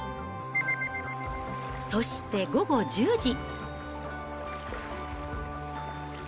そして午後１０時。